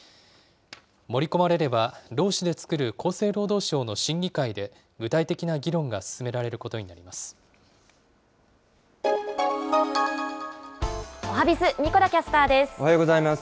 盛り込まれれば、労使で作る厚生労働省の審議会で、具体的な議論おはＢｉｚ、おはようございます。